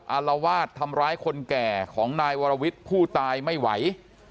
อารวาสทำร้ายคนแก่ของนายวรวิทย์ผู้ตายไม่ไหว